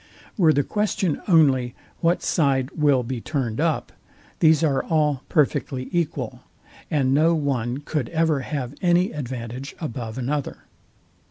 Were the question only what side will be turned up, these are all perfectly equal, and no one could ever have any advantage above another.